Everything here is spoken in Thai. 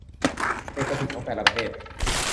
เอกสิทธิ์ของแต่ละประเทศ